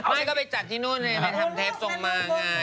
ไม่ก็ไปจัดที่นู่นไปทำเทปส่งมาไง